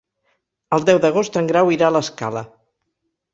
El deu d'agost en Grau irà a l'Escala.